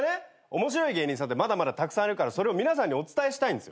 面白い芸人さんってまだまだたくさんいるからそれを皆さんにお伝えしたいんですよ。